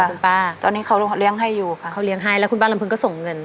คุณป้าตอนนี้เขาเลี้ยงให้อยู่ค่ะเขาเลี้ยงให้แล้วคุณป้าลำพึงก็ส่งเงิน